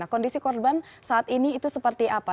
kondisi korban saat ini itu seperti apa